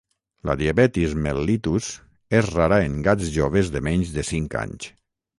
La diabetis mellitus és rara en gats joves de menys de cinc anys.